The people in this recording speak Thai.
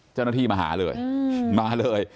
เจ้าหน้าที่มาหาเลยมาเลย